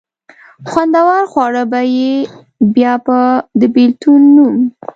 خوندور خواړه به وي، بیا به د بېلتون نوم.